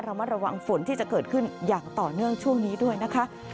มัดระวังฝนที่จะเกิดขึ้นอย่างต่อเนื่องช่วงนี้ด้วยนะคะ